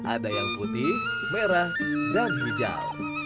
ada yang putih merah dan hijau